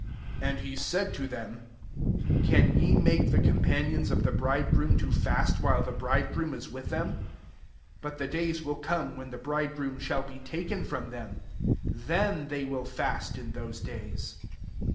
34 And he said to them, ^^ Can ye make the com panions of the brid^roora to fast while the bridegroom is with tli^m? S5 But the days will come w^en the bridegroom shall be talcen ^m them : then they wlil fast in ^ose days.''